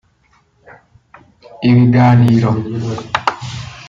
Ibiganiro